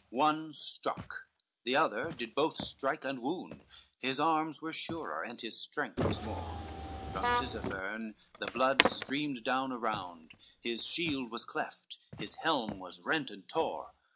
CXVI One struck, the other did both strike and wound, His arms were surer, and his strength was more; From Tisipherne the blood streamed down around; His shield was cleft, his helm was rent and tore.